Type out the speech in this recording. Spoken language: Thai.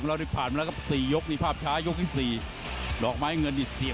ประสบการณ์เลยครับยกสี่นี่เห็นเลย